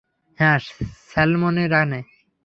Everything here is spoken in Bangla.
হ্যাঁ, স্যালমনে রানে।